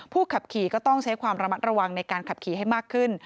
ขับขี่ก็ต้องใช้ความระมัดระวังในการขับขี่ให้มากขึ้น